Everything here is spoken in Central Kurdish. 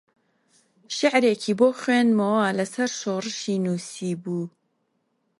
شیعرێکی بۆ خوێندمەوە لەسەر شۆڕشی نووسیبوو